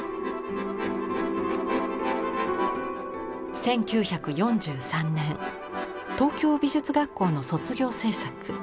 １９４３年東京美術学校の卒業制作。